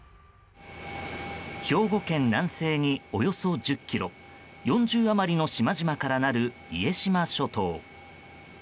兵庫県南西に、およそ１０ｋｍ４０余りの島々からなる家島諸島。